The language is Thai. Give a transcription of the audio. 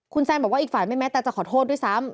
คุณแซนบอกว่าอีกฝ่ายไม่แม้แต่จะขอโทษด้วยซ้ำ